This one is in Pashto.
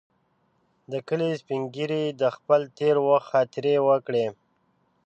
د کلي سپین ږیري د خپل تېر وخت خاطرې وکړې.